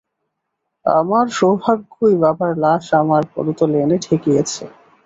আমার সৌভাগ্য-ই বাবার লাশ আমার পদতলে এনে ঠেকিয়েছে।